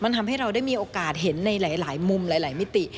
ทำให้เราได้มีโอกาสเห็นในหลายมุมหลายมิติ